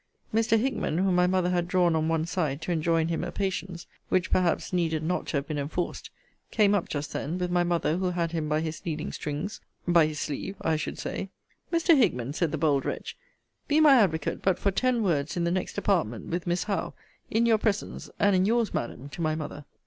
Mr. Hickman, whom my mother had drawn on one side, to enjoin him a patience, which perhaps needed not to have been enforced, came up just then, with my mother who had him by his leading strings by his sleeve I should say. Mr. Hickman, said the bold wretch, be my advocate but for ten words in the next apartment with Miss Howe, in your presence; and in your's, Madam, to my mother.